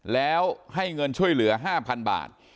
แล้วให้เงินช่วยเหลือ๕๐๐๐บาท